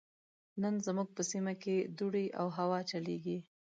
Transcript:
نن زموږ په سيمه کې دوړې او هوا چليږي.